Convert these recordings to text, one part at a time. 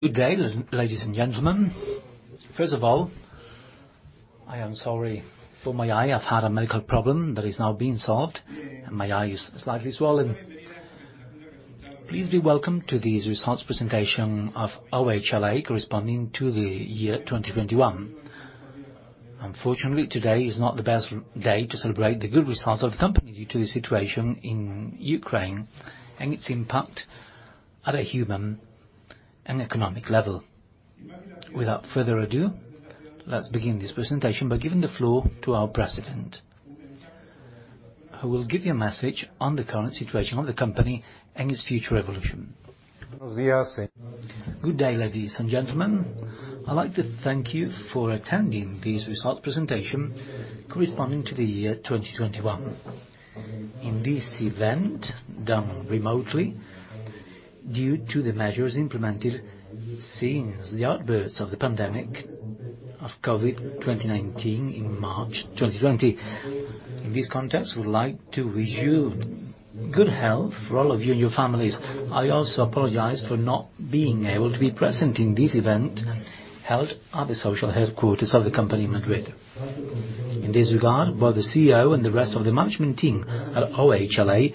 Good day, ladies and gentlemen. First of all, I am sorry for my eye. I've had a medical problem that is now being solved, and my eye is slightly swollen. Please be welcome to this results presentation of OHLA corresponding to the year 2021. Unfortunately, today is not the best day to celebrate the good results of the company due to the situation in Ukraine and its impact at a human and economic level. Without further ado, let's begin this presentation by giving the floor to our president, who will give you a message on the current situation of the company and its future evolution. Good day, ladies and gentlemen. I'd like to thank you for attending this results presentation corresponding to the year 2021. In this event, done remotely due to the measures implemented since the outbreak of the pandemic of COVID-19 in March 2020. In this context, we would like to wish you good health for all of you and your families. I also apologize for not being able to be present in this event held at the social headquarters of the company in Madrid. In this regard, both the CEO and the rest of the management team at OHLA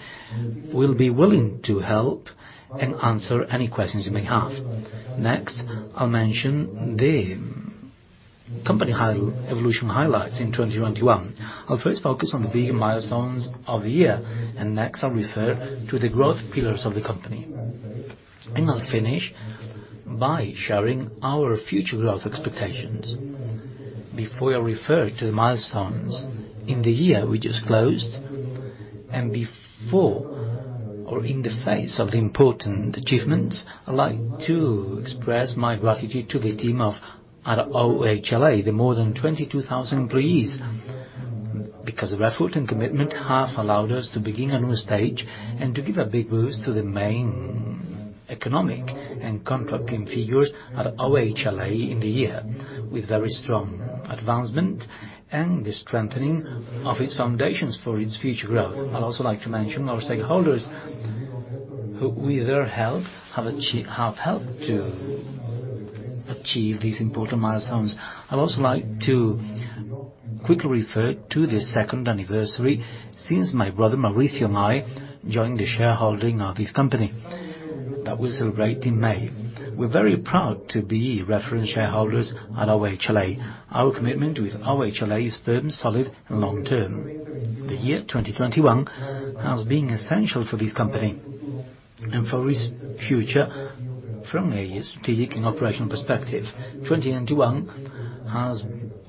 will be willing to help and answer any questions you may have. Next, I'll mention the company evolution highlights in 2021. I'll first focus on the big milestones of the year, and next, I'll refer to the growth pillars of the company, and I'll finish by sharing our future growth expectations. Before I refer to the milestones in the year we just closed, and before or in the face of the important achievements, I'd like to express my gratitude to the team at OHLA, the more than 22,000 employees. Because their effort and commitment have allowed us to begin a new stage and to give a big boost to the main economic and contracting figures at OHLA in the year with very strong advancement and the strengthening of its foundations for its future growth. I'd also like to mention our stakeholders who with their help have helped to achieve these important milestones. I'd also like to quickly refer to the second anniversary since my brother Mauricio Amodio and I joined the shareholding of this company that we celebrate in May. We're very proud to be reference shareholders at OHLA. Our commitment with OHLA is firm, solid, and long-term. The year 2021 has been essential for this company and for its future from a strategic and operational perspective. 2021 has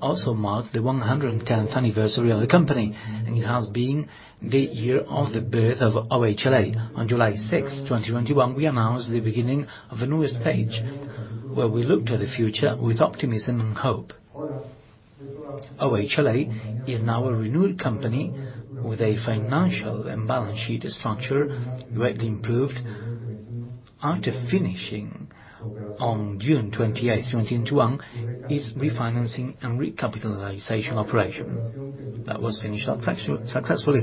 also marked the 110th anniversary of the company, and it has been the year of the birth of OHLA. On July 6th, 2021, we announced the beginning of a new stage where we look to the future with optimism and hope. OHLA is now a renewed company with a financial and balance sheet structure greatly improved after finishing on June 28th, 2021, its refinancing and recapitalization operation. That was finished up successfully.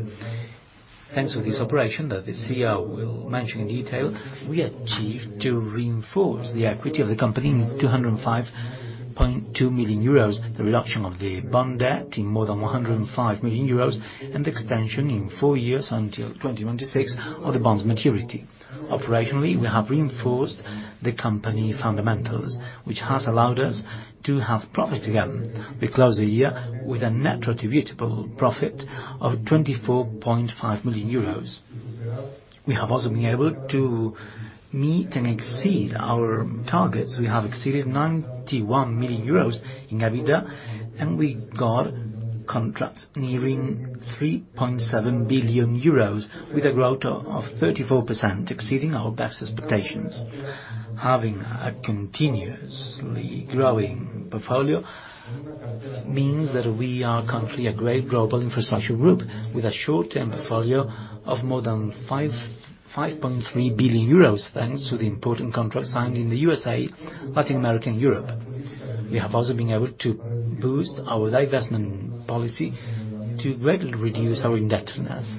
Thanks to this operation that the CEO will mention in detail, we achieved to reinforce the equity of the company in 205.2 million euros, the reduction of the bond debt in more than 105 million euros, and the extension in four years until 2026 of the bond's maturity. Operationally, we have reinforced the company fundamentals, which has allowed us to have profit again. We close the year with a net attributable profit of 24.5 million euros. We have also been able to meet and exceed our targets. We have exceeded 91 million euros in EBITDA, and we got contracts nearing 3.7 billion euros with a growth of 34%, exceeding our best expectations. Having a continuously growing portfolio means that we are currently a great global infrastructure group with a short-term portfolio of more than 5.53 billion euros, thanks to the important contracts signed in the USA, Latin America, and Europe. We have also been able to boost our divestment policy to greatly reduce our indebtedness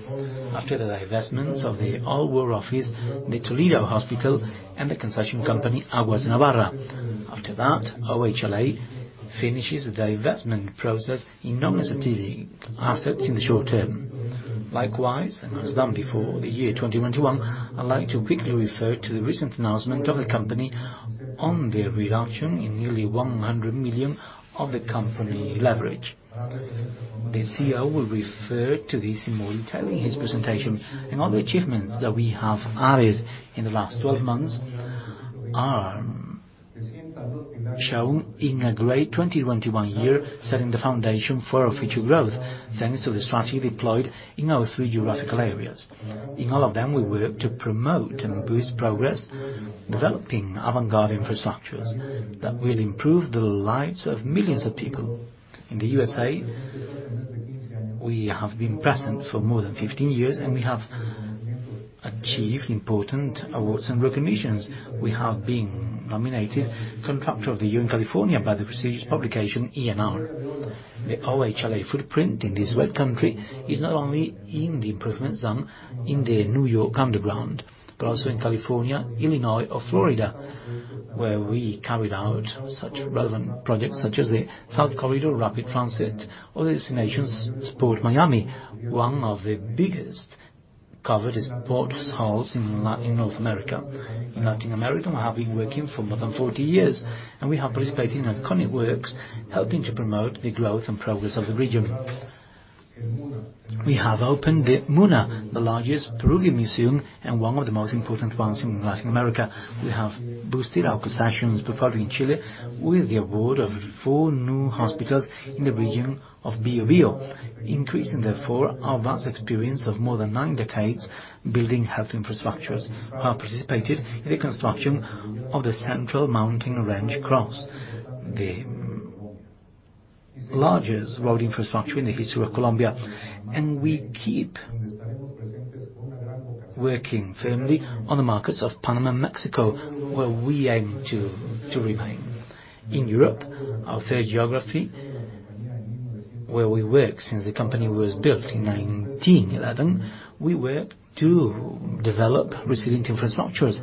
after the divestments of the Old War Office, the Toledo Hospital, and the concession company Aguas de Navarra. After that, OHLA finishes the divestment process in non-necessary assets in the short term. Likewise, and as done before the year 2021, I'd like to quickly refer to the recent announcement of the company on the reduction in nearly 100 million of the company leverage. The CEO will refer to this in more detail in his presentation. All the achievements that we have added in the last 12 months are shown in a great 2021 year, setting the foundation for our future growth thanks to the strategy deployed in our three geographical areas. In all of them, we work to promote and boost progress, developing avant-garde infrastructures that will improve the lives of millions of people. In the USA, we have been present for more than 15 years, and we have achieved important awards and recognitions. We have been nominated Contractor of the Year in California by the prestigious publication ENR. The OHLA footprint in this great country is not only in the improvements done in the New York underground, but also in California, Illinois or Florida, where we carried out such relevant projects such as the South Corridor Rapid Transit or the PortMiami, one of the biggest ports in North America. In Latin America, we have been working for more than 40 years, and we have participated in iconic works helping to promote the growth and progress of the region. We have opened the MUNA, the largest Peruvian museum and one of the most important ones in Latin America. We have boosted our concessions portfolio in Chile with the award of four new hospitals in the region of Bío bío, increasing therefore our vast experience of more than nine decades building health infrastructures. We have participated in the construction of the Central Cordillera Crossing, the largest road infrastructure in the history of Colombia. We keep working firmly on the markets of Panama and Mexico, where we aim to remain. In Europe, our third geography, where we work since the company was built in 1911, we work to develop resilient infrastructures.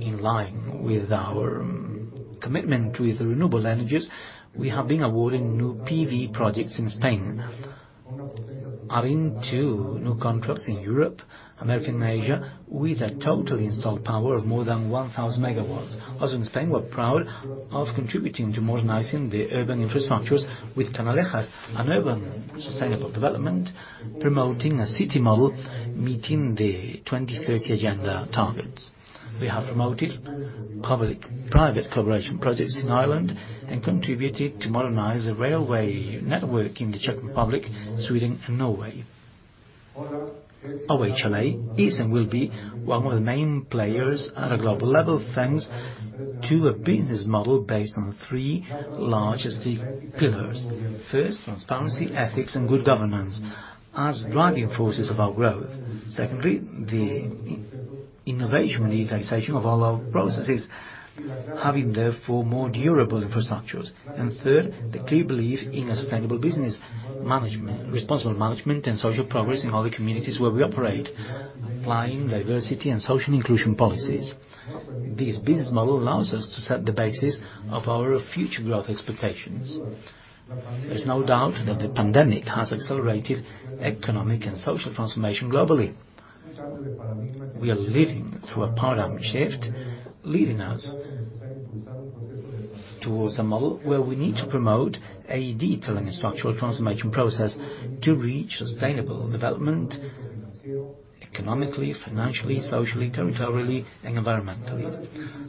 In line with our commitment with renewable energies, we have been awarded new PV projects in Spain, adding two new contracts in Europe, America, and Asia, with a total installed power of more than 1,000 MW. Also in Spain, we're proud of contributing to modernizing the urban infrastructures with Canalejas, an urban sustainable development promoting a city model meeting the 2030 Agenda targets. We have promoted public-private collaboration projects in Ireland and contributed to modernize the railway network in the Czech Republic, Sweden, and Norway. OHLA is and will be one of the main players at a global level, thanks to a business model based on three large strategic pillars. First, transparency, ethics, and good governance as driving forces of our growth. Secondly, the innovation and digitization of all our processes, having therefore more durable infrastructures. Third, the clear belief in a sustainable business management, responsible management, and social progress in all the communities where we operate, applying diversity and social inclusion policies. This business model allows us to set the basis of our future growth expectations. There's no doubt that the pandemic has accelerated economic and social transformation globally. We are living through a paradigm shift, leading us towards a model where we need to promote a detailed and structural transformation process to reach sustainable development economically, financially, socially, territorially, and environmentally.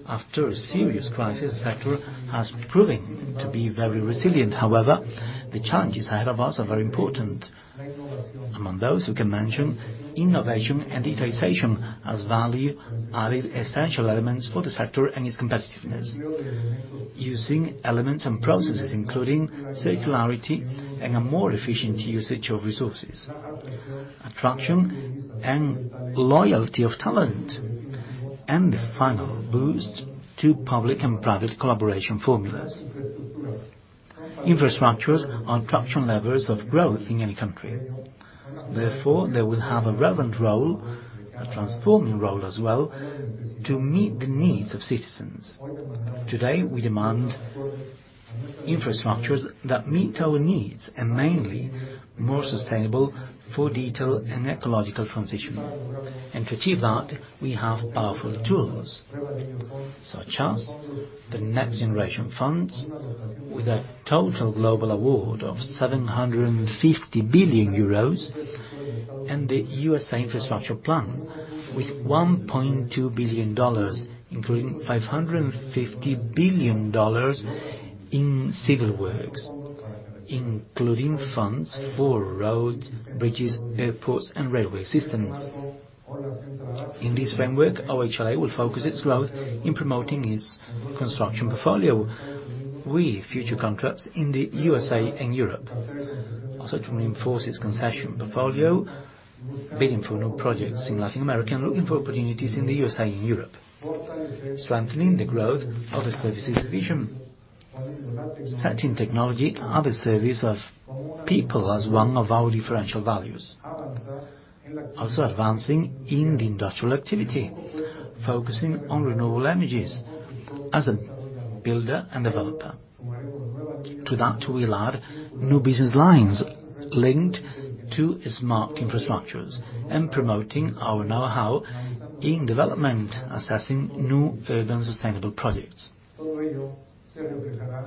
After a serious crisis, the sector has proven to be very resilient. However, the challenges ahead of us are very important. Among those, we can mention innovation and digitization as value-added essential elements for the sector and its competitiveness. Using elements and processes including circularity and a more efficient usage of resources, attraction and loyalty of talent, and the final boost to public and private collaboration formulas. Infrastructures are traction levers of growth in any country. Therefore, they will have a relevant role, a transforming role as well, to meet the needs of citizens. Today, we demand infrastructures that meet our needs and mainly more sustainable for digital and ecological transition. To achieve that, we have powerful tools, such as the Next Generation funds with a total global award of 750 billion euros, and the USA infrastructure plan with $1.2 billion, including $550 billion in civil works, including funds for roads, bridges, airports, and railway systems. In this framework, OHLA will focus its growth in promoting its construction portfolio with future contracts in the USA and Europe. To reinforce its concession portfolio, bidding for new projects in Latin America and looking for opportunities in the USA and Europe. Strengthening the growth of the services division. Setting technology at the service of people as one of our differential values. Advancing in the industrial activity, focusing on renewable energies as a builder and developer. To that, we'll add new business lines linked to smart infrastructures and promoting our know-how in development, assessing new urban sustainable projects.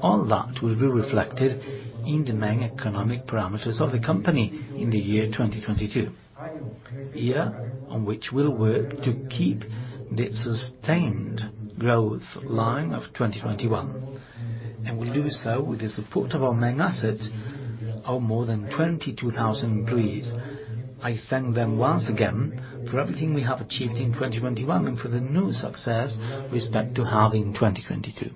All that will be reflected in the main economic parameters of the company in the year 2022, year on which we'll work to keep the sustained growth line of 2021. We'll do so with the support of our main asset, our more than 22,000 employees. I thank them once again for everything we have achieved in 2021 and for the new success we expect to have in 2022.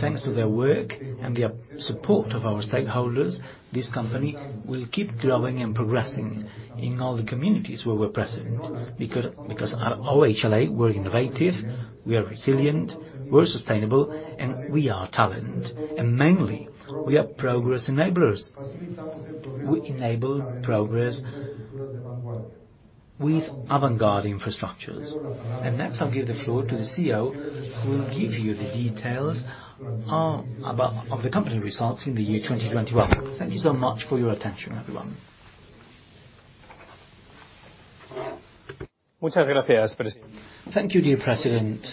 Thanks to their work and the support of our stakeholders, this company will keep growing and progressing in all the communities where we're present. Because at OHLA, we're innovative, we are resilient, we're sustainable, and we are talent. Mainly, we are progress enablers. We enable progress with avant-garde infrastructures. Next, I'll give the floor to the CEO, who will give you the details of the company results in the year 2021. Thank you so much for your attention, everyone. Thank you, dear president.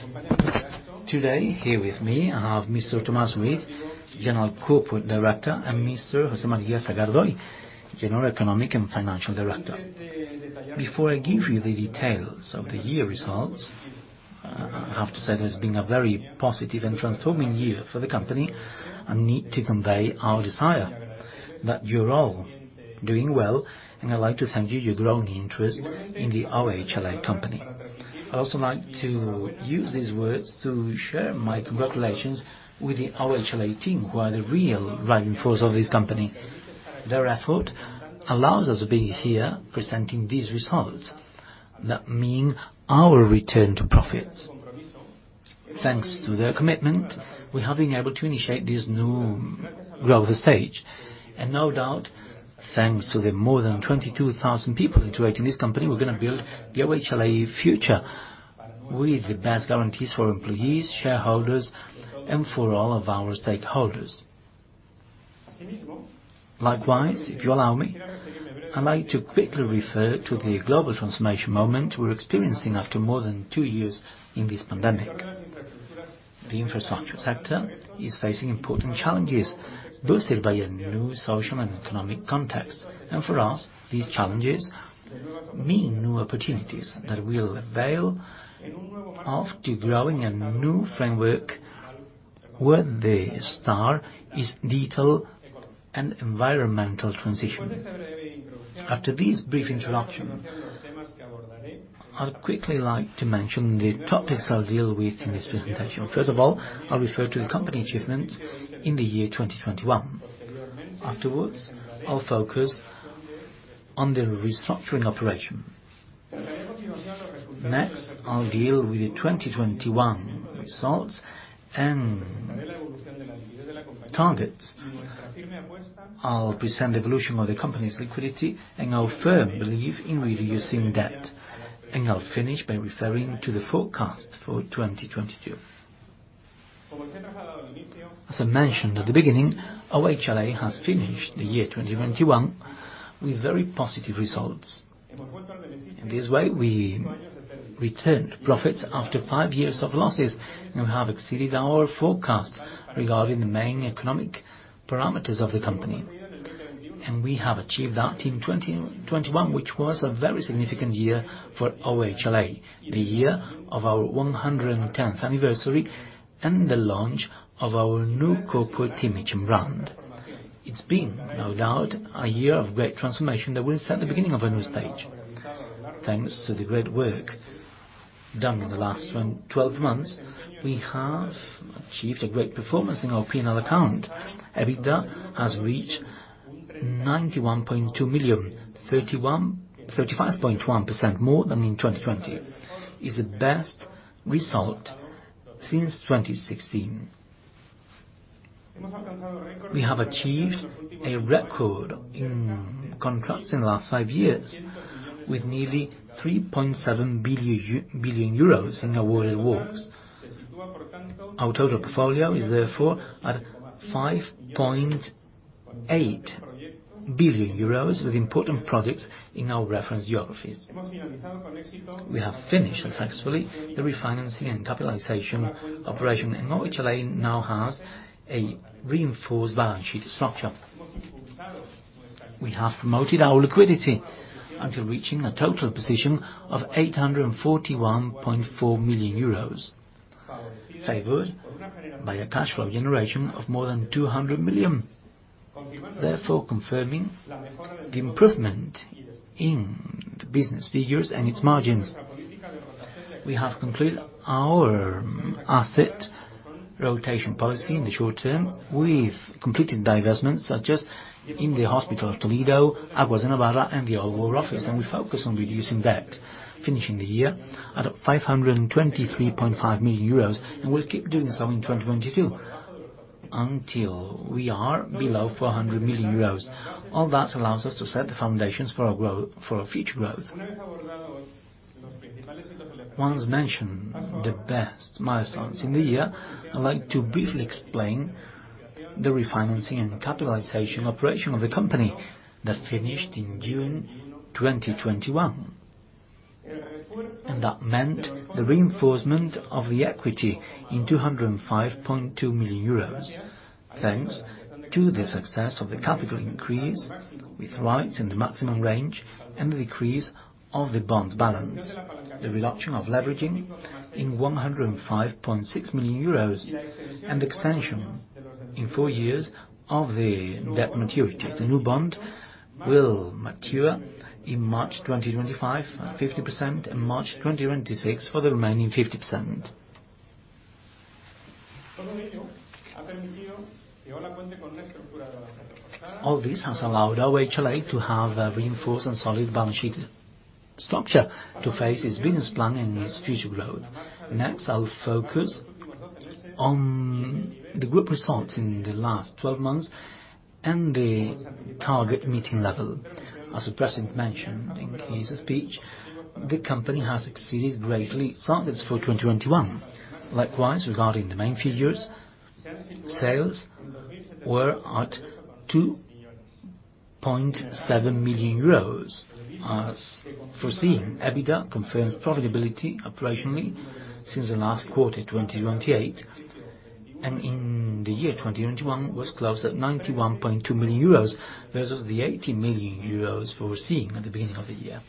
Today, here with me, I have Mr. Tomás Ruiz Ozores, General Corporate Director, and Mr. José María Sagardoy Llonis, General Economic and Financial Director. Before I give you the details of the year results, I have to say it's been a very positive and transforming year for the company. I need to convey our desire that you're all doing well, and I'd like to thank you, your growing interest in the OHLA company. I'd also like to use these words to share my congratulations with the OHLA team, who are the real driving force of this company. Their effort allows us to be here presenting these results that mean our return to profits. Thanks to their commitment, we have been able to initiate this new growth stage. No doubt, thanks to the more than 22,000 people in this company, we're gonna build the OHLA future with the best guarantees for employees, shareholders, and for all of our stakeholders. Likewise, if you allow me, I'd like to quickly refer to the global transformation moment we're experiencing after more than two years in this pandemic. The infrastructure sector is facing important challenges boosted by a new social and economic context. For us, these challenges mean new opportunities that we'll avail after growing a new framework where the star is digital and environmental transition. After this brief introduction, I'd quickly like to mention the topics I'll deal with in this presentation. First of all, I'll refer to the company achievements in the year 2021. Afterwards, I'll focus on the restructuring operation. Next, I'll deal with the 2021 results and targets. I'll present the evolution of the company's liquidity and our firm belief in reducing debt. I'll finish by referring to the forecast for 2022. As I mentioned at the beginning, OHLA has finished the year 2021 with very positive results. In this way, we returned to profits after five years of losses, and we have exceeded our forecast regarding the main economic parameters of the company. We have achieved that in 2021, which was a very significant year for OHLA, the year of our 110th anniversary and the launch of our new corporate image and brand. It's been, no doubt, a year of great transformation that will set the beginning of a new stage. Thanks to the great work done in the last 12 months, we have achieved a great performance in our P&L account. EBITDA has reached 91.2 million, 35.1% more than in 2020, is the best result since 2016. We have achieved a record in contracts in the last five years with nearly 3.7 billion euros in award of works. Our total portfolio is therefore at 5.8 billion euros with important projects in our reference geographies. We have finished successfully the refinancing and capitalization operation, and OHLA now has a reinforced balance sheet structure. We have promoted our liquidity after reaching a total position of 841.4 million euros, favored by a cash flow generation of more than 200 million, therefore confirming the improvement in the business figures and its margins. We have concluded our asset rotation policy in the short term. We've completed divestments, such as in the hospital of Toledo, Aguas de Navarra, and the Old War Office, and we focus on reducing debt, finishing the year at 523.5 million euros, and we'll keep doing so in 2022 until we are below 400 million euros. All that allows us to set the foundations for our growth, for our future growth. One of the best milestones in the year, I'd like to briefly explain the refinancing and capitalization operation of the company that finished in June 2021. That meant the reinforcement of the equity in 205.2 million euros, thanks to the success of the capital increase with rights in the maximum range and the decrease of the bond balance, the reduction of leveraging in 105.6 million euros, and extension in four years of the debt maturity. The new bond will mature in March 2025, 50%, and March 2026 for the remaining 50%. All this has allowed OHLA to have a reinforced and solid balance sheet structure to face its business plan and its future growth. Next, I'll focus on the group results in the last 12 months and the target meeting level. As the president mentioned in his speech, the company has exceeded greatly its targets for 2021. Likewise, regarding the main figures, sales were at 2.7 million euros. As foreseen, EBITDA confirmed profitability operationally since the last quarter of 2021, and in the year 2021 closed at 91.2 million euros versus the 80 million euros foreseen at the beginning of the year.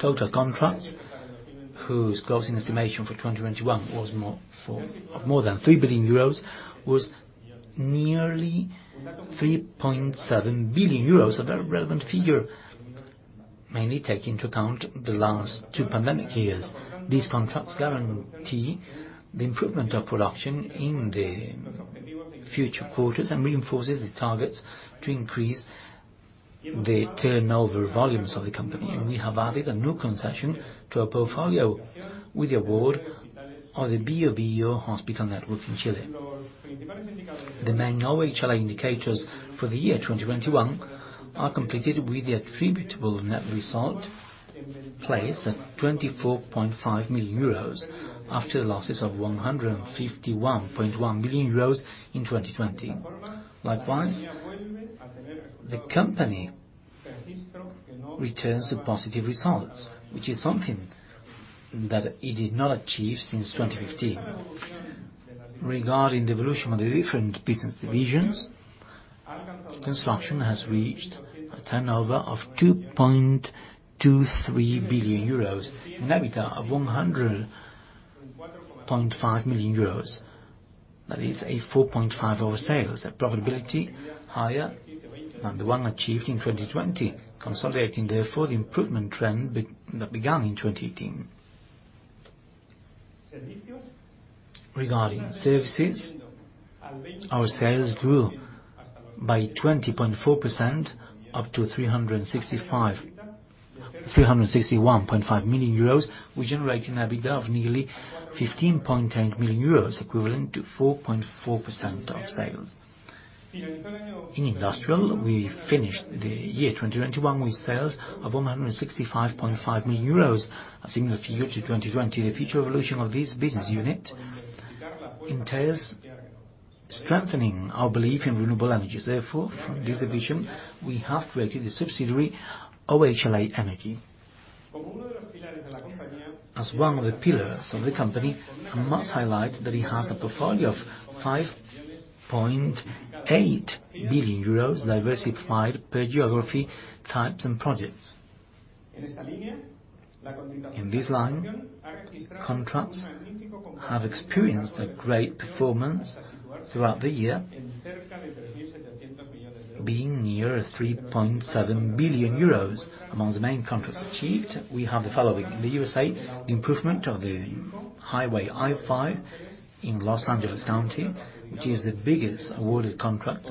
Total contracts, whose closing estimation for 2021 was more than 3 billion euros, was nearly 3.7 billion euros. A very relevant figure, mainly taking into account the last two pandemic years. These contracts guarantee the improvement of production in the future quarters and reinforces the targets to increase the turnover volumes of the company. We have added a new concession to our portfolio with the award of the Bío bío Hospital Network in Chile. The main OHLA indicators for the year 2021 are completed with the attributable net result placed at 24.5 million euros after the losses of 151.1 million euros in 2020. Likewise, the company returns a positive result, which is something that it did not achieve since 2015. Regarding the evolution of the different business divisions, construction has reached a turnover of 2.23 billion euros, an EBITDA of 100.5 million euros. That is a 4.5% of sales, a profitability higher than the one achieved in 2020, consolidating therefore the improvement trend that began in 2018. Regarding services, our sales grew by 20.4% up to three hundred and sixty-one point five million euros. We're generating EBITDA of nearly 15.8 million euros, equivalent to 4.4% of sales. In industrial, we finished the year 2021 with sales of 165.5 million euros, a similar figure to 2020. The future evolution of this business unit entails strengthening our belief in renewable energies. Therefore, for this division, we have created the subsidiary, OHLA Energy. As one of the pillars of the company, I must highlight that it has a portfolio of 5.8 billion euros diversified per geography, types, and projects. In this line, contracts have experienced a great performance throughout the year, being near 3.7 billion euros. Among the main contracts achieved, we have the following. In the U.S., the improvement of the highway I-5 in Los Angeles County, which is the biggest awarded contract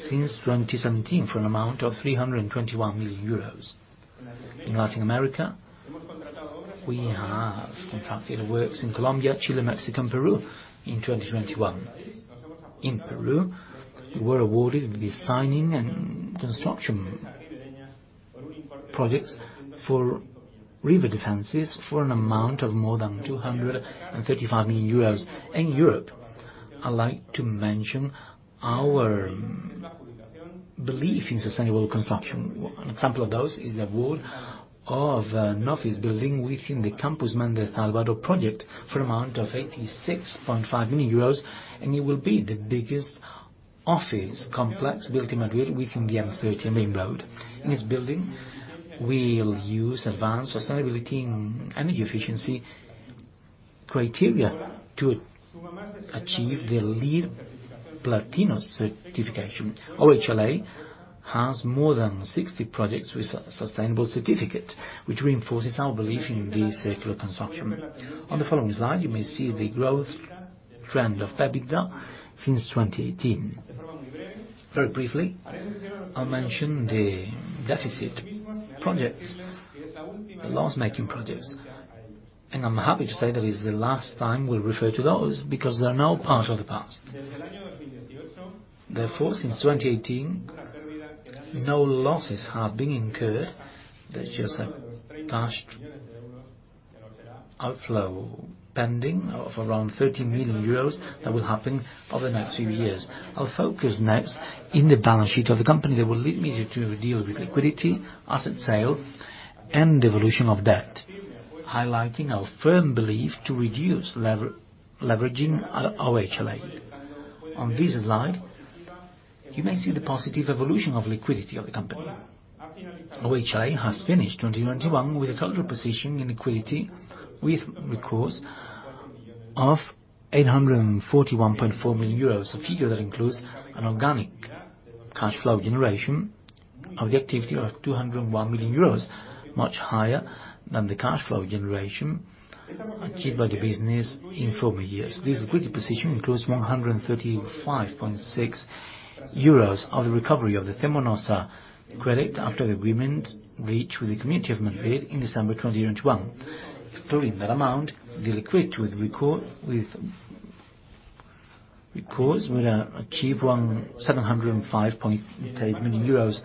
since 2017, for an amount of 321 million euros. In Latin America, we have contracted works in Colombia, Chile, Mexico, and Peru in 2021. In Peru, we were awarded the design and construction projects for river defenses for an amount of more than 235 million euros. In Europe, I'd like to mention our belief in sustainable construction. One example of those is the award of an office building within the Magnum project for an amount of 86.5 million euros, and it will be the biggest office complex built in Madrid within the M30 main road. In this building, we'll use advanced sustainability and energy efficiency criteria to achieve the LEED Platinum certification. OHLA has more than 60 projects with sustainable certificate, which reinforces our belief in the circular construction. On the following slide, you may see the growth trend of EBITDA since 2018. Very briefly, I'll mention the deficit projects, the loss-making projects, and I'm happy to say that is the last time we'll refer to those, because they're now part of the past. Therefore, since 2018, no losses have been incurred. There's just a cash outflow pending of around 30 million euros that will happen over the next few years. I'll focus next in the balance sheet of the company that will lead me to deal with liquidity, asset sale, and the evolution of debt, highlighting our firm belief to reduce leveraging OHLA. On this slide, you may see the positive evolution of liquidity of the company. OHLA has finished 2021 with a total position in liquidity with records of 841.4 million euros. A figure that includes an organic cash flow generation of the activity of 201 million euros, much higher than the cash flow generation achieved by the business in former years. This liquidity position includes 135.6 million euros of the recovery of the Cemonasa credit after the agreement reached with the Community of Madrid in December 2021. Excluding that amount, the liquidity with records would achieve 705.8 million euros.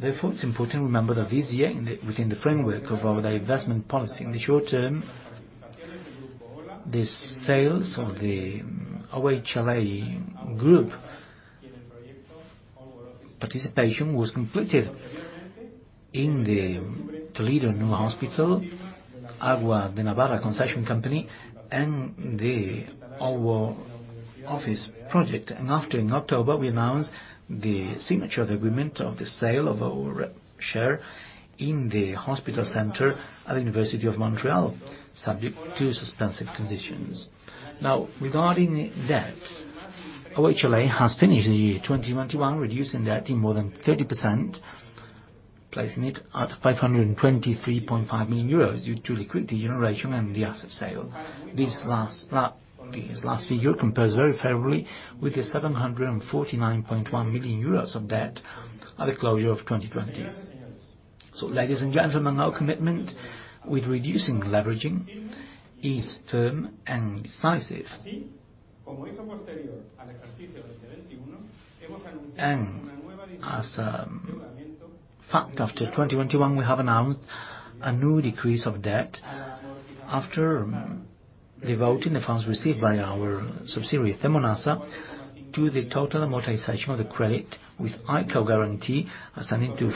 Therefore, it's important to remember that this year within the framework of our divestment policy in the short term, the sales of the OHLA group participation was completed in the Toledo new hospital, Aguas de Navarra concession company, and the OHL office project. After in October, we announced the signature of the agreement of the sale of our share in the hospital center at the Université de Montréal, subject to suspensive conditions. Now regarding debt, OHLA has finished the year 2021, reducing debt in more than 30%, placing it at 523.5 million euros due to liquidity generation and the asset sale. This last figure compares very favorably with the 749.1 million euros of debt at the closure of 2020. Ladies and gentlemen, our commitment with reducing leveraging is firm and decisive. In fact, after 2021, we have announced a new decrease of debt after devoting the funds received by our subsidiary, Cemonasa, to the total amortization of the credit with ICO guarantee, amounting to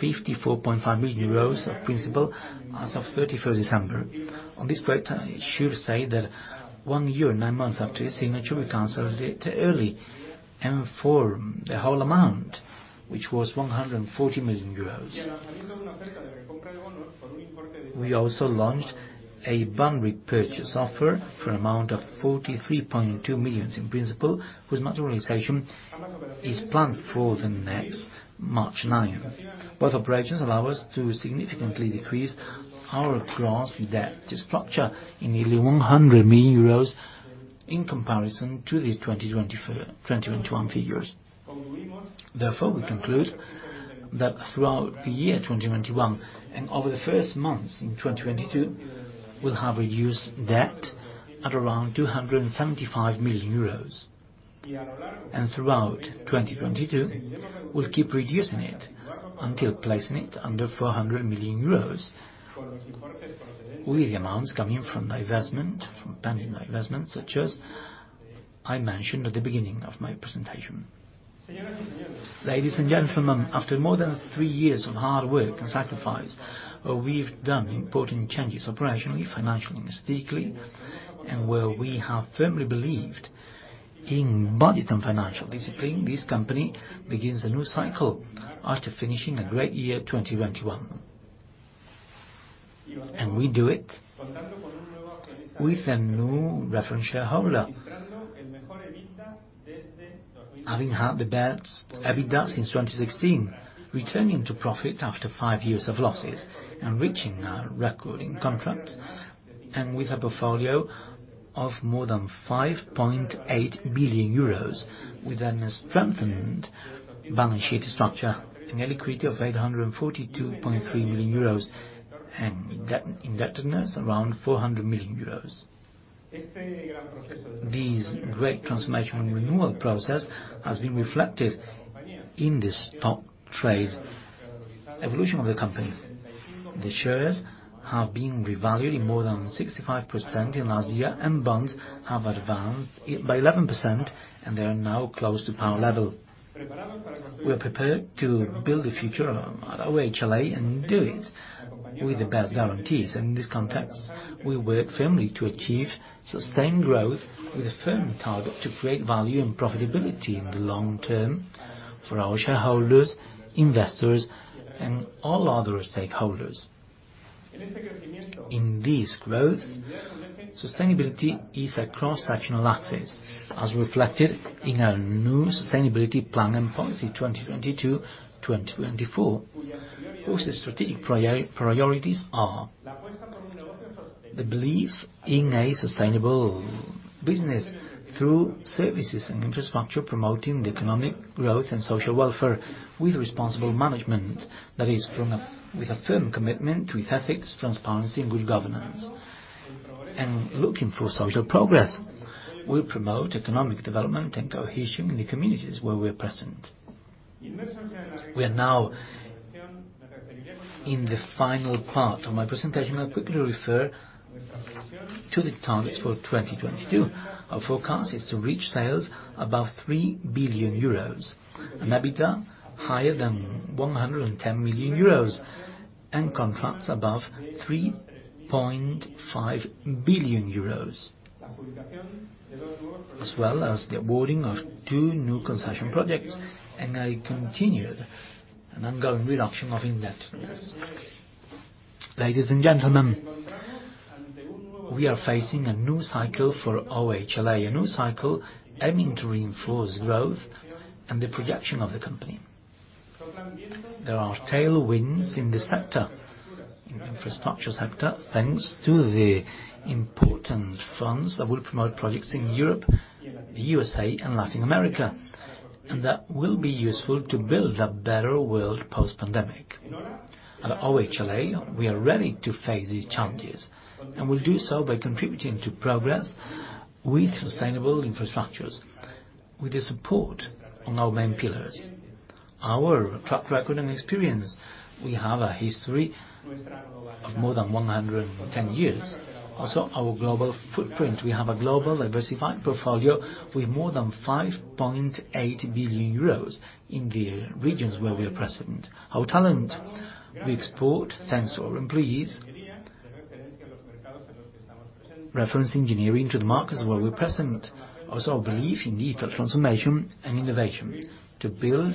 54.5 million euros of principal as of December 31st. On this point, I should say that one year and nine months after its signature, we canceled the debt early and for the whole amount, which was 140 million euros. We also launched a bond repurchase offer for an amount of 43.2 million in principal, whose materialization is planned for the next March 9th. Both operations allow us to significantly decrease our gross debt structure in nearly 100 million euros in comparison to the 2021 figures. Therefore, we conclude that throughout the year 2021 and over the first months in 2022, we'll have reduced debt at around 275 million euros. Throughout 2022, we'll keep reducing it until placing it under 400 million euros with the amounts coming from divestment, from pending divestment, such as I mentioned at the beginning of my presentation. Ladies and gentlemen, after more than three years of hard work and sacrifice, we've done important changes operationally, financially, and strategically, and where we have firmly believed in budget and financial discipline, this company begins a new cycle after finishing a great year, 2021. We do it with a new reference shareholder, having had the best EBITDA since 2016, returning to profit after five years of losses and reaching a record in contracts and with a portfolio of more than 5.8 billion euros with a strengthened balance sheet structure and a liquidity of 842.3 million euros and indebtedness around 400 million euros. This great transformation and renewal process has been reflected in the stock trade evolution of the company. The shares have been revalued in more than 65% in last year, and bonds have advanced by 11%, and they are now close to par level. We are prepared to build the future of OHLA and do it with the best guarantees. In this context, we work firmly to achieve sustained growth with a firm target to create value and profitability in the long term for our shareholders, investors, and all other stakeholders. In this growth, sustainability is a cross-sectional axis as reflected in our new sustainability plan and policy, 2022-2024, whose strategic priorities are the belief in a sustainable business through services and infrastructure, promoting the economic growth and social welfare with responsible management. That is, with a firm commitment with ethics, transparency, and good governance. Looking for social progress, we promote economic development and cohesion in the communities where we're present. We are now in the final part of my presentation. I'll quickly refer to the targets for 2022. Our forecast is to reach sales above 3 billion euros, an EBITDA higher than 110 million euros. Contracts above 3.5 billion euros. As well as the awarding of two new concession projects, and a continued and ongoing reduction of indebtedness. Ladies and gentlemen, we are facing a new cycle for OHLA. A new cycle aiming to reinforce growth and the projection of the company. There are tailwinds in the sector, in the infrastructure sector, thanks to the important funds that will promote projects in Europe, the USA, and Latin America. That will be useful to build a better world post-pandemic. At OHLA, we are ready to face these challenges, and we'll do so by contributing to progress with sustainable infrastructures. With the support on our main pillars, our track record and experience, we have a history of more than 110 years. Also, our global footprint. We have a global diversified portfolio with more than 5.8 billion euros in the regions where we are present. Our talent. We export, thanks to our employees, reference engineering to the markets where we're present. Also, our belief in digital transformation and innovation to build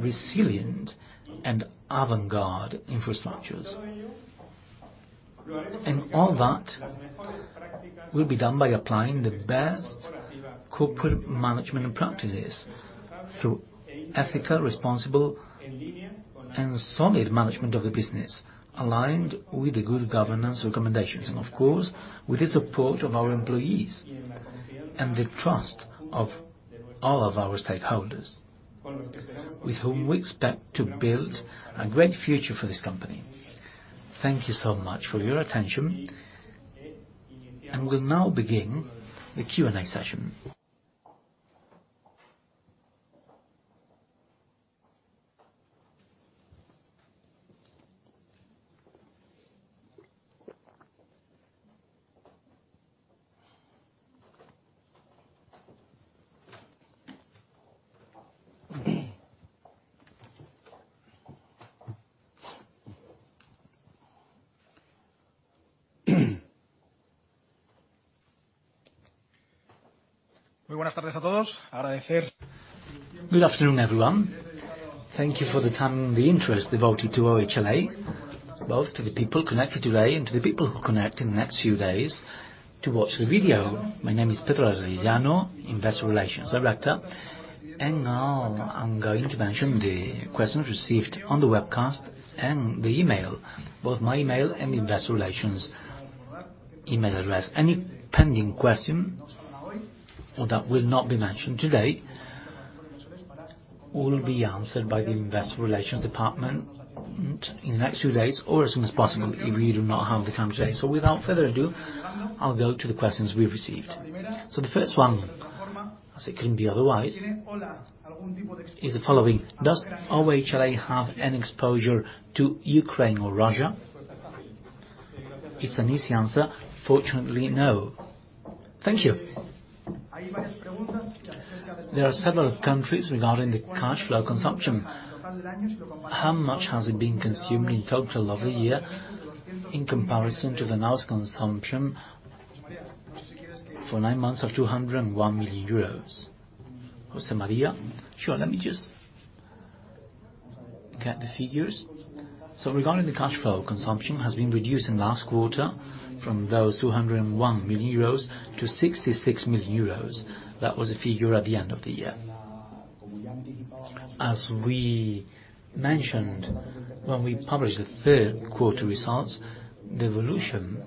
resilient and avant-garde infrastructures. All that will be done by applying the best corporate management practices through ethical, responsible, and solid management of the business, aligned with the good governance recommendations, and of course, with the support of our employees and the trust of all of our stakeholders, with whom we expect to build a great future for this company. Thank you so much for your attention, and we'll now begin the Q&A session. Good afternoon, everyone. Thank you for the time and the interest devoted to OHLA, both to the people connected today and to the people who connect in the next few days to watch the video. My name is Pedro de Arellano, Investor Relations Director. Now I'm going to mention the questions received on the webcast and the email, both my email and the investor relations email address. Any pending question or that will not be mentioned today will be answered by the investor relations department in the next few days or as soon as possible if we do not have the time today. Without further ado, I'll go to the questions we received. The first one, as it couldn't be otherwise, is the following: Does OHLA have any exposure to Ukraine or Russia? It's an easy answer. Fortunately, no. Thank you. There are several countries regarding the cash flow consumption. How much has it been consumed in total of the year in comparison to the last consumption for nine months of 201 million euros? José María. Sure. Let me just get the figures. Regarding the cash flow, consumption has been reduced in last quarter from those 201 million euros to 66 million euros. That was the figure at the end of the year. As we mentioned when we published the Q3 results, the evolution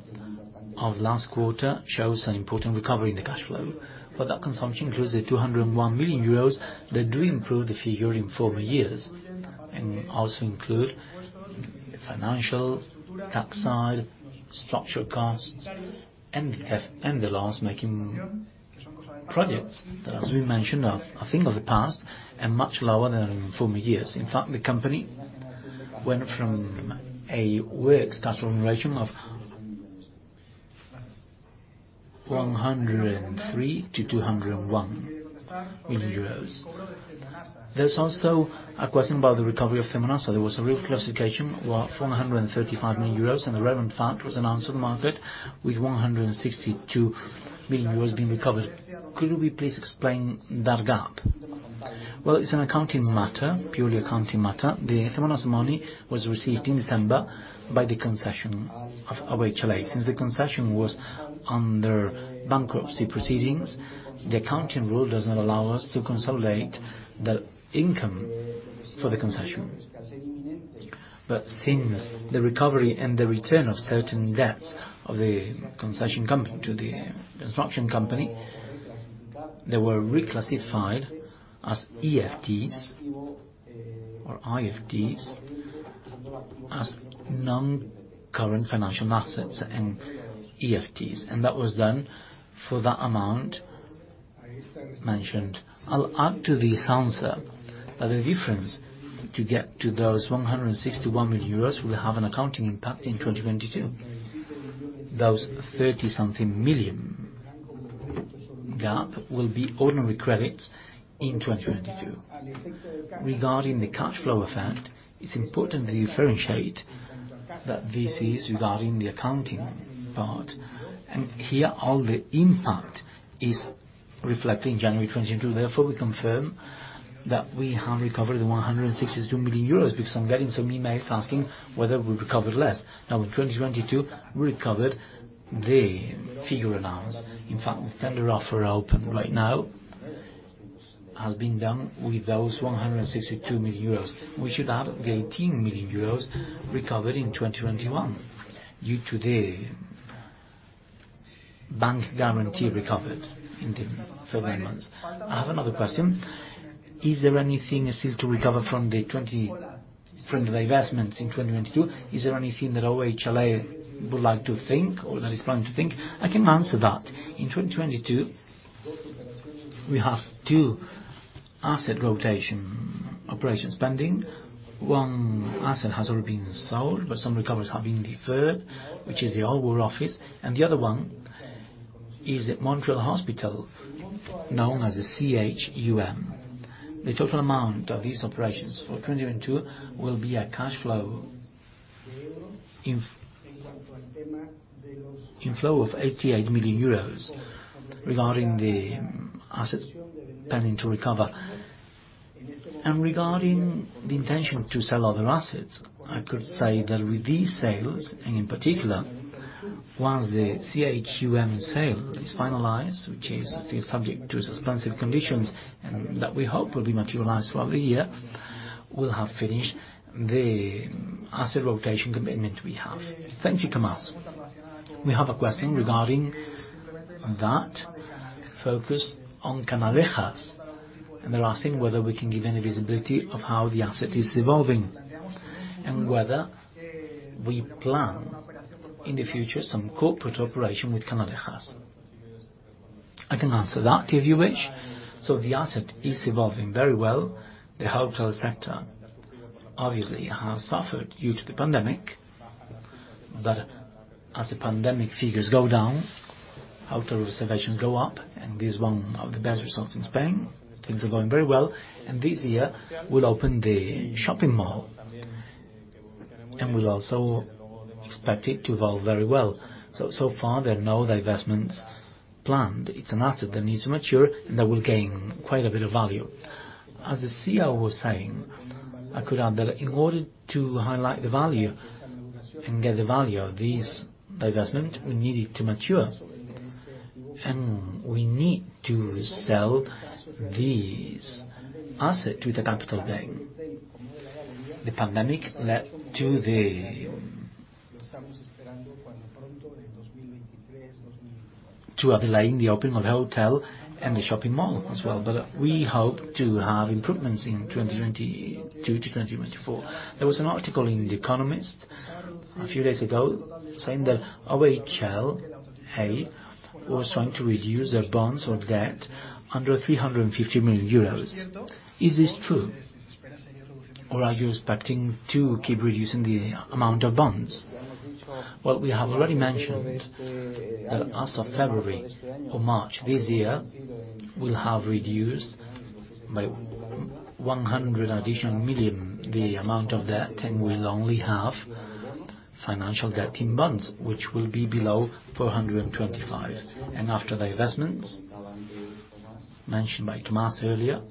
of last quarter shows an important recovery in the cash flow. That consumption includes the 201 million euros that do improve the figure in former years and also include financial, taxes and structural costs, and the loss-making projects that, as we mentioned, are a thing of the past and much lower than in former years. In fact, the company went from a work schedule in relation of 103 million to 201 million euros. There's also a question about the recovery of Cemonasa. There was a reclassification worth 435 million euros, and the relevant fact was announced to the market with 162 million euros being recovered. Could you please explain that gap? Well, it's an accounting matter, purely accounting matter. The Cemonasa money was received in December by the concession of OHLA. Since the concession was under bankruptcy proceedings, the accounting rule does not allow us to consolidate the income for the concession. Since the recovery and the return of certain debts of the concession company to the construction company, they were reclassified as AFTs or IFTs, as non-current financial assets and AFTs. That was done for that amount mentioned. I'll add to this answer that the difference to get to those 161 million euros will have an accounting impact in 2022. Those thirty-something million gap will be ordinary credits in 2022. Regarding the cash flow effect, it's important that you differentiate that this is regarding the accounting part, and here all the impact is reflected in January 2022. Therefore, we confirm that we have recovered the 162 million euros because I'm getting some emails asking whether we recovered less. Now in 2022, we recovered the figure announced. In fact, the tender offer open right now has been done with those 162 million euros. We should add the 18 million euros recovered in 2021 due to the bank guarantee recovered in the first nine months. I have another question. Is there anything still to recover from the divestments in 2022? Is there anything that OHLA would like to think or that is planning to think? I can answer that. In 2022, we have two asset rotation operations pending. One asset has already been sold, but some recoveries have been deferred, which is the Old War Office, and the other one is at the Montreal hospital known as the CHUM. The total amount of these operations for 2022 will be a cash inflow of 88 million euros regarding the assets pending to recover. Regarding the intention to sell other assets, I could say that with these sales, and in particular, once the CHUM sale is finalized, which is still subject to suspensive conditions, and that we hope will be materialized throughout the year, we'll have finished the asset rotation commitment we have. Thank you, Tomás. We have a question regarding that focus on Centro Canalejas, and they're asking whether we can give any visibility of how the asset is evolving and whether we plan in the future some corporate operation with Centro Canalejas. I can answer that if you wish. The asset is evolving very well. The hotel sector obviously has suffered due to the pandemic, but as the pandemic figures go down, hotel reservations go up, and this is one of the best results in Spain. Things are going very well. This year, we'll open the shopping mall, and we'll also expect it to evolve very well. So far, there are no divestments planned. It's an asset that needs to mature, and that will gain quite a bit of value. As the CEO was saying, I could add that in order to highlight the value and get the value of this divestment, we need it to mature, and we need to sell this asset with the capital gain. The pandemic led to a delay in the opening of the hotel and the shopping mall as well. We hope to have improvements in 2022 to 2024. There was an article in el Economista a few days ago saying that OHLA was trying to reduce their bonds or debt under 350 million euros. Is this true? Are you expecting to keep reducing the amount of bonds? Well, we have already mentioned that as of February or March this year, we'll have reduced by 100 million the amount of debt, and we'll only have financial debt in bonds, which will be below 425 million. After the investments mentioned by Tomás earlier,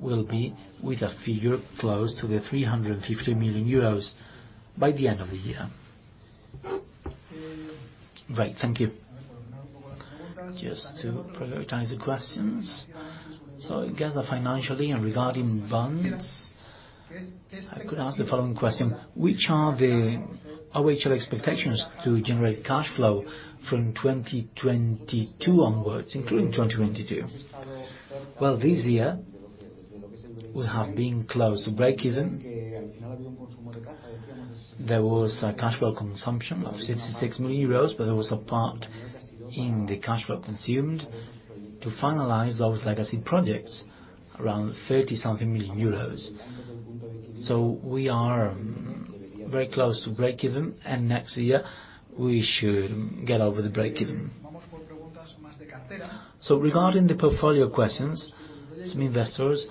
we'll be with a figure close to 350 million euros by the end of the year. Great. Thank you. Just to prioritize the questions. I guess financially and regarding bonds, I could ask the following question: Which are the OHLA expectations to generate cash flow from 2022 onwards, including 2022? Well, this year will have been close to breakeven. There was a cash flow consumption of 66 million euros, but there was a part in the cash flow consumed to finalize those legacy projects, around 30-something million euros. We are very close to breakeven, and next year, we should get over the breakeven. Regarding the portfolio questions, some investors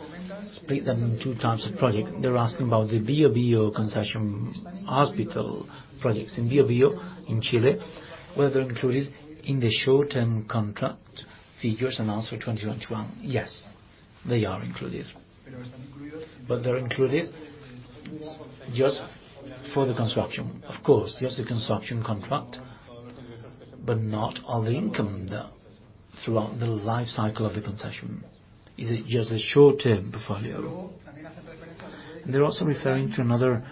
split them in two types of project. They're asking about the Bío bío concession hospital projects in Bío bío in Chile, whether they're included in the short-term contract figures announced for 2021. Yes, they are included. But they're included just for the construction. Of course, just the construction contract, but not all the income throughout the life cycle of the concession. Is it just a short-term portfolio? They're also referring to another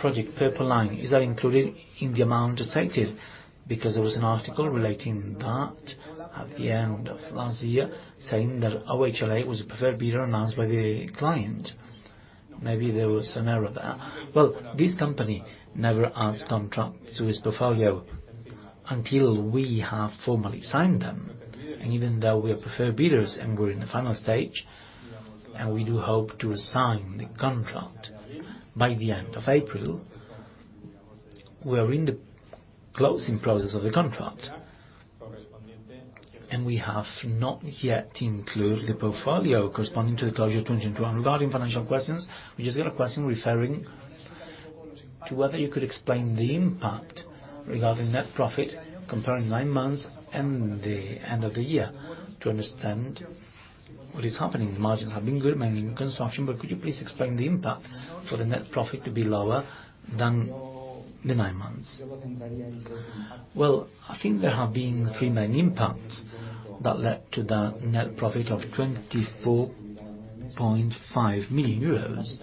project, Purple Line. Is that included in the amount expected? Because there was an article relating that at the end of last year saying that OHLA was a preferred bidder announced by the client. Maybe there was an error there. Well, this company never adds contracts to its portfolio until we have formally signed them. Even though we are preferred bidders and we're in the final stage, and we do hope to sign the contract by the end of April. We are in the closing process of the contract. We have not yet included the portfolio corresponding to the closure 2021. Regarding financial questions, we just got a question referring to whether you could explain the impact regarding net profit comparing nine months and the end of the year to understand what is happening. Margins have been good, mainly in construction, but could you please explain the impact for the net profit to be lower than the nine months? Well, I think there have been three main impacts that led to the net profit of 24.5 million euros versus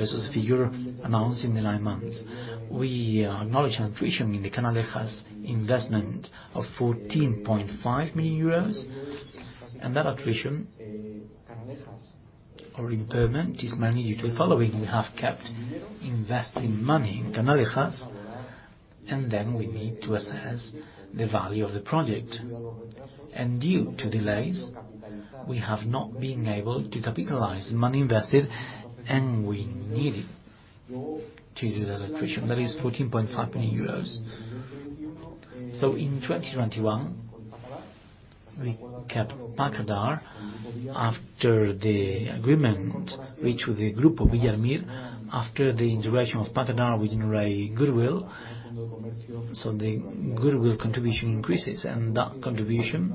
the year amounts in the nine months. We acknowledged an attrition in the Centro Canalejas investment of 14.5 million euros, and that attrition or impairment is mainly due to the following. We have kept investing money in Centro Canalejas, and then we need to assess the value of the project. Due to delays, we have not been able to capitalize the money invested, and we needed to do that attrition. That is 14.5 million euros. In 2021, we kept PACADAR after the agreement reached with the Group of Villar Mir after the integration of PACADAR, we generate goodwill, so the goodwill contribution increases, and that contribution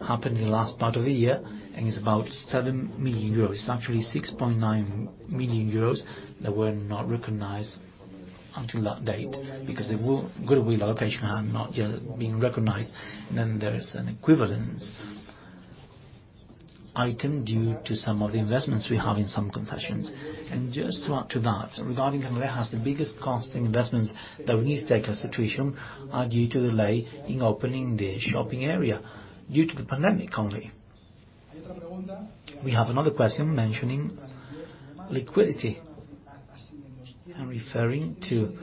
happened in the last part of the year and is about 7 million euros. It's actually 6.9 million euros that were not recognized until that date because the goodwill allocation had not yet been recognized. There is an equivalence item due to some of the investments we have in some concessions. Just to add to that, regarding Centro Canalejas, the biggest cost investments that we need to take as attrition are due to delay in opening the shopping area due to the pandemic only. We have another question mentioning liquidity and referring to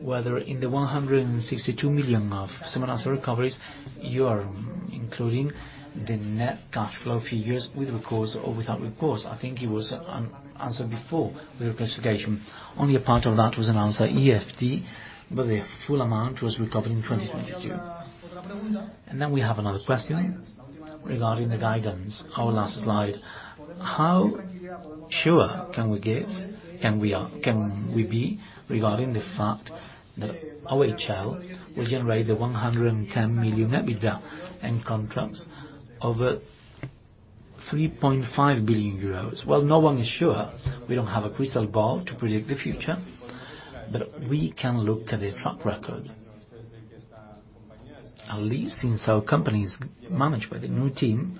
whether in the 162 million of similar asset recoveries, you are including the net cash flow figures with recourse or without recourse. I think it was answered before with your presentation. Only a part of that was announced at EFT, but the full amount was recovered in 2022. We have another question regarding the guidance. Our last slide. How sure can we be regarding the fact that OHL will generate the 110 million EBITDA and contracts over 3.5 billion euros? Well, no one is sure. We don't have a crystal ball to predict the future, but we can look at the track record. At least since our company's managed by the new team,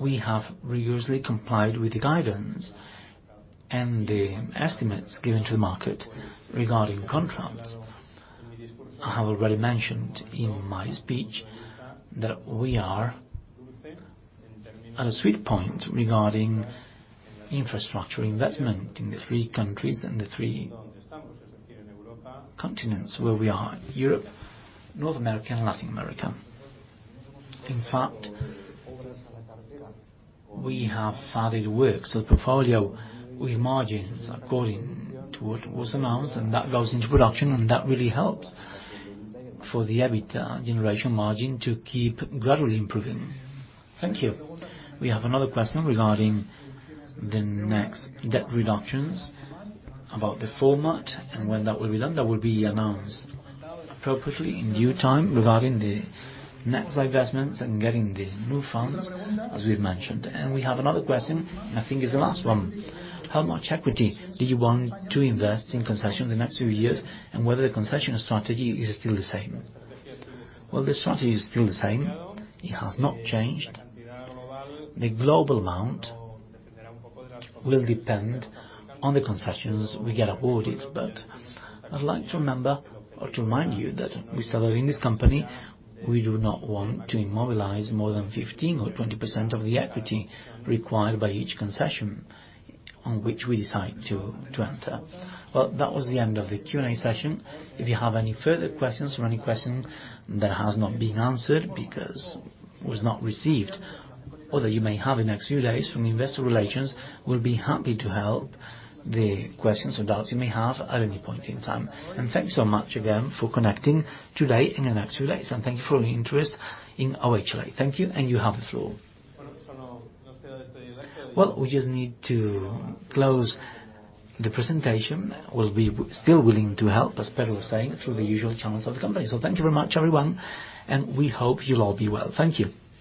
we have rigorously complied with the guidance and the estimates given to the market regarding contracts. I have already mentioned in my speech that we are at a sweet point regarding infrastructure investment in the three countries and the three continents where we are, Europe, North America, and Latin America. In fact, we have furthered work, so the portfolio with margins according to what was announced, and that goes into production, and that really helps for the EBITDA generation margin to keep gradually improving. Thank you. We have another question regarding the next debt reductions, about the format and when that will be done. That will be announced appropriately in due time regarding the next investments and getting the new funds, as we've mentioned. We have another question, I think it's the last one. How much equity do you want to invest in concessions in the next few years, and whether the concession strategy is still the same? Well, the strategy is still the same. It has not changed. The global amount will depend on the concessions we get awarded. I'd like to remember or to remind you that we said that in this company, we do not want to immobilize more than 15% or 20% of the equity required by each concession on which we decide to enter. Well, that was the end of the Q&A session. If you have any further questions or any question that has not been answered because it was not received or that you may have in the next few days from the investor relations, we'll be happy to help the questions or doubts you may have at any point in time. Thanks so much again for connecting today and the next few days. Thank you for your interest in OHL. Thank you. You have the floor. Well, we just need to close the presentation. We'll be still willing to help, as Pedro was saying, through the usual channels of the company. Thank you very much, everyone. We hope you'll all be well. Thank you.